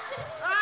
あ！